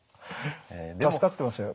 助かってますよ。